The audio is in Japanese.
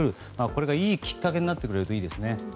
これがいいきっかけになってくるといいですね。